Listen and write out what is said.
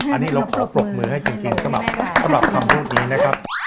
อันนี้เราขอปรบมือให้จริงสำหรับคำพูดนี้นะครับ